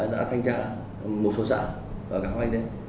đã thanh tra một số xã và các hoa anh đấy